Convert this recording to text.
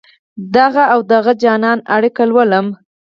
دهغه اودجانان اړیکې لولم